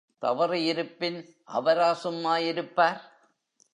தவறு இருப்பின், அவரா சும்மா இருப்பார்?